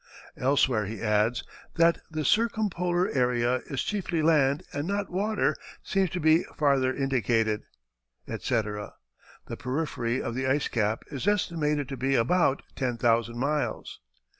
Elsewhere he adds: "That the circumpolar area is chiefly land and not water seems to be farther indicated," etc. The periphery of the ice cap is estimated to be about ten thousand miles.